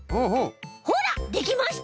ほらできました！